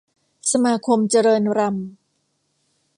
สมาคมเจริญรัมย์